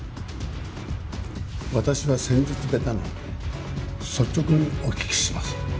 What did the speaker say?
私は戦術下手なので率直にお聞きします。